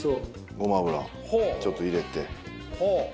ごま油ちょっと入れて。